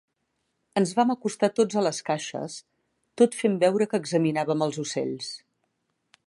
Ens vam acostar tots a les caixes, tot fent veure que examinàvem els ocells.